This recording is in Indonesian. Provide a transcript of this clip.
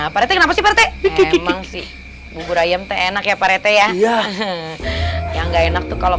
pada seperti emang sih bubur ayam teh enak ye paret haya yang ga enak tuh kalau